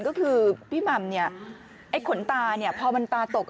ก็คือพี่หม่ำเนี่ยไอ้ขนตาเนี่ยพอมันตาตก